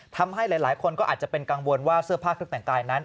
ทำให้หลายคนก็อาจจะเป็นกังวลว่าเสื้อผ้าเครื่องแต่งกายนั้น